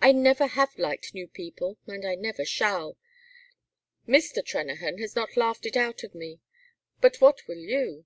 "I never have liked new people and I never shall; Mr. Trennahan has not laughed it out of me. But what will you?